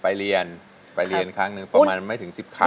ไปเรียนไปเรียนครั้งหนึ่งประมาณไม่ถึง๑๐ครั้ง